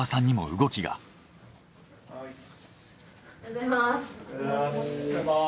おはようございます。